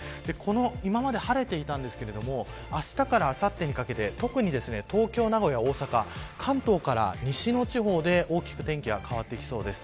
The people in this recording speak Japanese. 今まで晴れていたんですがあしたからあさってにかけて特に東京、名古屋、大阪関東から西の地方で大きく天気が変わってきそうです。